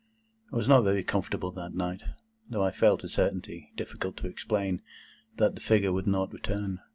I was not very comfortable that night, though I felt a certainty, difficult to explain, that the figure would not return.